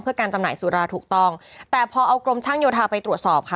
เพื่อการจำหน่ายสุราถูกต้องแต่พอเอากรมช่างโยธาไปตรวจสอบค่ะ